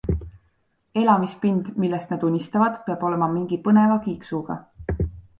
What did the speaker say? Elamispind, millest nad unistavad, peab olema mingi põneva kiiksuga.